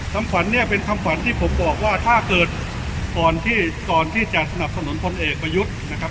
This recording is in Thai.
คำขวัญเนี่ยเป็นคำขวัญที่ผมบอกว่าถ้าเกิดก่อนที่ก่อนที่จะสนับสนุนพลเอกประยุทธ์นะครับ